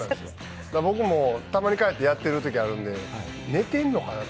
僕もたまに帰ってやってるときあるんで、寝てんのかなと。